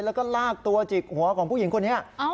แล้วก็ลากตัวจิกหัวของผู้หญิงคนนี้